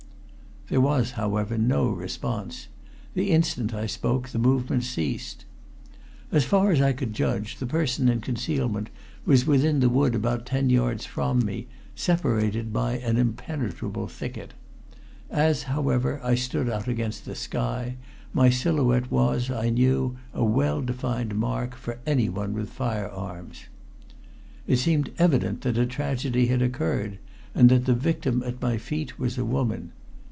There was, however, no response. The instant I spoke the movement ceased. As far as I could judge, the person in concealment was within the wood about ten yards from me, separated by an impenetrable thicket. As, however, I stood out against the sky, my silhouette was, I knew, a well defined mark for anyone with fire arms. It seemed evident that a tragedy had occurred, and that the victim at my feet was a woman.